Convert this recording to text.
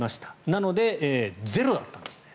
なのでゼロだったんですね。